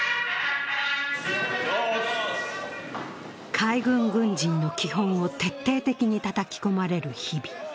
海軍軍人の基本を徹底的にたたき込まれる日々。